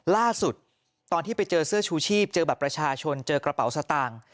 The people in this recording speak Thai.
ล่าสุดตอนที่ไปเจอเสื้อชูชีพเจอบัตรประชาชนเจอกระเป๋าสตางค์